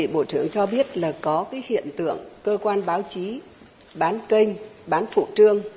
bộ trưởng cho biết là có cái hiện tượng cơ quan báo chí bán cành bán phụ trương